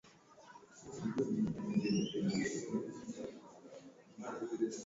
mvutano ndani na kuzunguka Tripoli, Stephanie Williams mshauri maalum kwa Libya